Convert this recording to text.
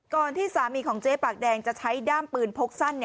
ที่สามีของเจ๊ปากแดงจะใช้ด้ามปืนพกสั้น